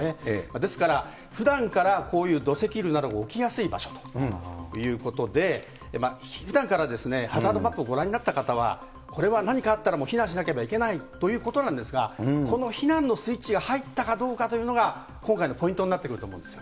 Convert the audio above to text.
ですから、ふだんからこういう土石流などが起きやすい場所ということで、ふだんからハザードマップをご覧になった方は、これは何かあったらもう避難しなければいけないということなんですが、この避難のスイッチが入ったかどうかというのが、今回のポイントになってくると思うんですよ。